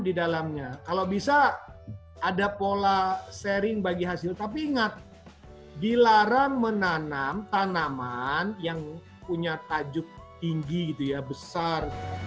di dalamnya kalau bisa ada pola sharing bagi hasil tapi ingat dilarang menanam tanaman yang punya tajuk tinggi gitu ya besar